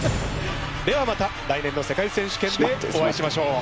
ではまた来年の世界選手権でお会いしましょう。